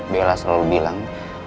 bela selalu bilang